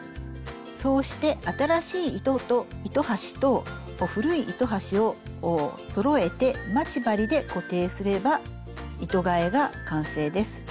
そうして新しい糸端と古い糸端をそろえて待ち針で固定すれば糸がえが完成です。